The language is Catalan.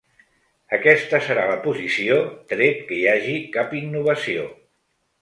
Aquesta serà la posició tret que hi hagi cap innovació.